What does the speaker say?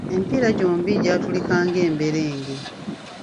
Emipiira gyombi gyatulika ng’emberenge.